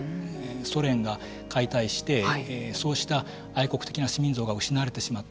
ソ連が解体してそうした愛国的な市民像が失われてしまった。